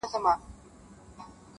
ته ګرځې لالهانده پسي شیخه ما لیدلي,